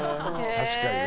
確かに。